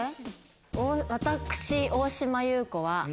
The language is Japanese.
私大島優子は。